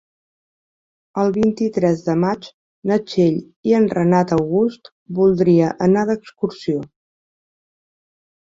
El vint-i-tres de maig na Txell i en Renat August voldria anar d'excursió.